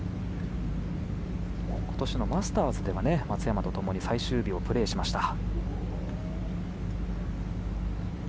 今年のマスターズでは松山と共に最終日をプレーしました。